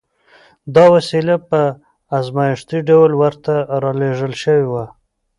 دا وسیله په ازمایښتي ډول ورته را لېږل شوې وه